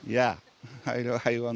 tapi anda tetap akan menyerang